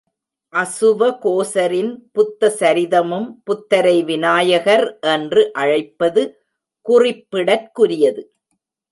அசுவகோசரின் புத்தசரிதமும் புத்தரை விநாயகர் என்று அழைப்பது குறிப்பிடற்குரியது.